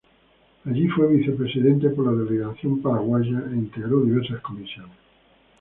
Allí fue vicepresidente por la delegación paraguaya e integró diversas comisiones.